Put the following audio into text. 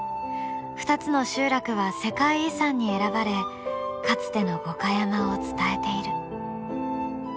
２つの集落は世界遺産に選ばれかつての五箇山を伝えている。